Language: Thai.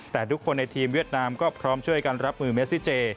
แต่ทุกคนในทีมเวียดนามก็พร้อมช่วยกันรับมือเมซิเจ